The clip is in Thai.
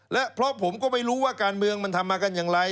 และเพราะผมก็ไม่รู้ว่าการเมืองมันทำมากันอย่างไร